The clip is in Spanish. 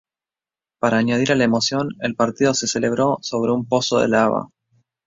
Para añadir a la emoción, el partido se celebró sobre un pozo de lava.